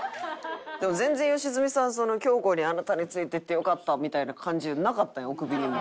でも全然良純さん京子にあなたについていってよかったみたいな感じじゃなかったやんおくびにも。